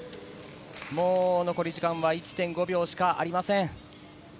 残り時間は１．５秒しかありません。